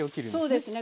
そうですね。